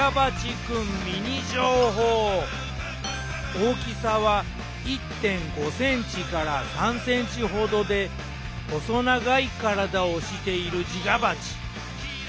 大きさは１．５ｃｍから３ｃｍほどで細長い体をしているジガバチ。